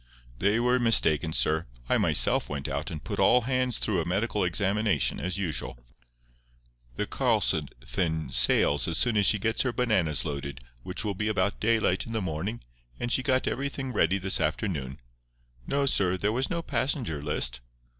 "They were mistaken, sir. I myself went out and put all hands through a medical examination, as usual. The Karlsefin sails as soon as she gets her bananas loaded, which will be about daylight in the morning, and she got everything ready this afternoon. No, sir, there was no passenger list.